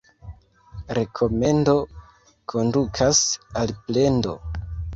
Rekomendo kondukas al plendo.